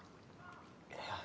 いや。